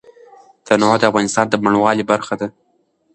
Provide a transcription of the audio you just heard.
تنوع د افغانستان د بڼوالۍ برخه ده.